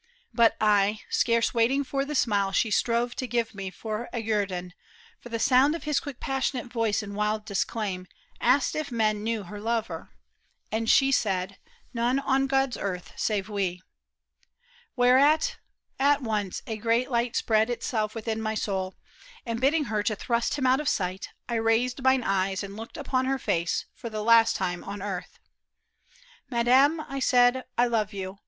But I, scarce waiting for the smile she strove To give me for a guerdon, for the sound Of his quick passionate voice in wild disclaim. Asked if men knew her lover. And she said, " None on God's earth save we." Whereat at once A great light spread itself within my soul, And bidding her to thrust him out of sight, I raised mine eyes and looked upon her face For the last time on earth. " Madam," I said, " I love you.